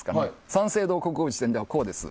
「三省堂国語辞典」ではこうです。